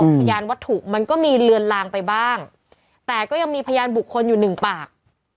พยานวัตถุมันก็มีเลือนลางไปบ้างแต่ก็ยังมีพยานบุคคลอยู่หนึ่งปาก